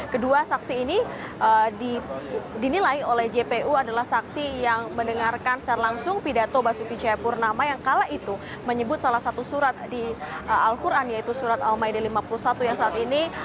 kedua saksi ini dinilai oleh jpu adalah saksi yang mendengarkan secara langsung pidato basuki cepurnama yang kala itu menyebut salah satu surat di al quran yaitu surat al ⁇ maidah ⁇ lima puluh satu yang saat ini